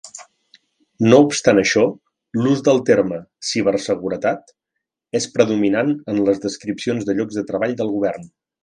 No obstant això, l'ús del terme "ciberseguretat" és predominant en les descripcions de llocs de treball del govern.